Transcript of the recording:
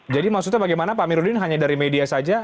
jadi maksudnya bagaimana pak amiruddin hanya dari media saja